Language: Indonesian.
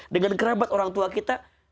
dengan kerabat orang tua kita